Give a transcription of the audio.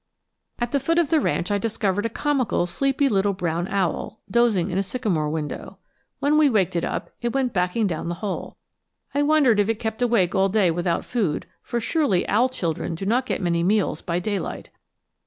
At the foot of the ranch I discovered a comical, sleepy little brown owl, dozing in a sycamore window. When we waked it up, it went backing down the hole. I wondered if it kept awake all day without food, for surely owl children do not get many meals by daylight.